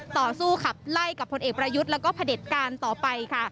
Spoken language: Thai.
ต่อสู้ขับไล่กับพลเอกประยุทธ์แล้วก็พระเด็จการต่อไปค่ะ